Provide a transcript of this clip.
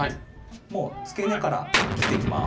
もうつけ根から切っていきます。